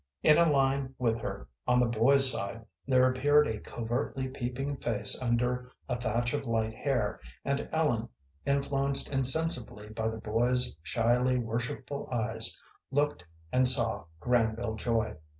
In a line with her, on the boys' side, there appeared a covertly peeping face under a thatch of light hair, and Ellen, influenced insensibly by the boy's shyly worshipful eyes, looked and saw Granville Joy.